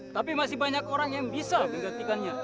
tapi masih banyak orang yang bisa menggantikannya